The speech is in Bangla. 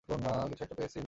কিছু একটা পেয়েছি বস।